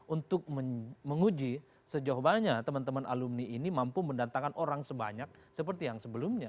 untuk menguji sejauh banyak teman teman alumni ini mampu mendatangkan orang sebanyak seperti yang sebelumnya